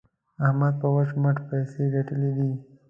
احمد په وچ مټ پيسې ګټلې دي.